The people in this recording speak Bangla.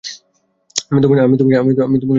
আমি তোমাকে বিশ্বাস করব কীভাবে?